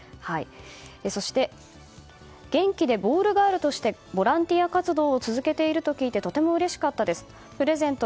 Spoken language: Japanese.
そして元気でボールガールとしてボランティア活動を続けていると聞いてとてもうれしかったですプレゼント